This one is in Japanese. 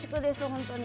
本当に。